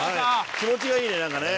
気持ちがいいねなんかね。